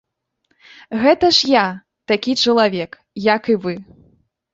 Гэта ж я, такі чалавек, як і вы.